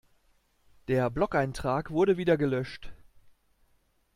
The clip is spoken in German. Der Blogeintrag wurde wieder gelöscht.